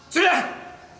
sudah jangan banyak alasan ya